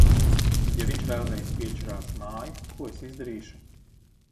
Ja viņš vēlreiz piečurās māju, ko es izdarīšu?